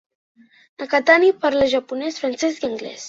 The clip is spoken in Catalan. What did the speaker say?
Nakatani parla japonès, francès i anglès.